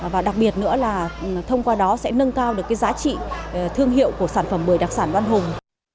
và đặc biệt nữa là thông qua đó sẽ nâng cao được giá trị thương hiệu của sản phẩm bưởi đặc sản văn hùng